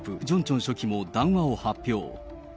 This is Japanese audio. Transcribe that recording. ジョンチョン書記も談話を発表。